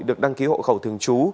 được đăng ký hộ khẩu thường trú